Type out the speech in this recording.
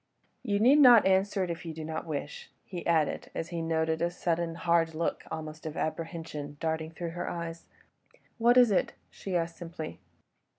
... You need not answer it if you do not wish," he added, as he noted a sudden hard look, almost of apprehension, darting through her eyes. "What is it?" she asked simply.